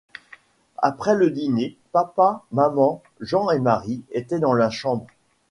Après le dîner, Papa, Maman, Jean et Marie étaient dans la chambre.